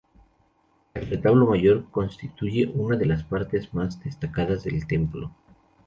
El retablo mayor constituye una de las partes más destacadas del templo.